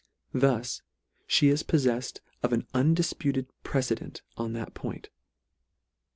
Thus me is poffeffed of an undif puted precedent on that point.